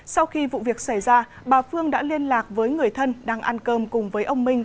sau khi vụ việc xảy ra bà phương đã liên lạc với người thân đang ăn cơm cùng với ông minh